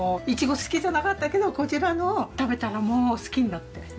イチゴ好きじゃなかったけどこちらのを食べたらもう好きになって。